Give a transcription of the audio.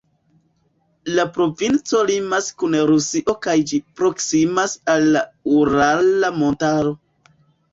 La provinco limas kun Rusio kaj ĝi proksimas al la Urala Montaro.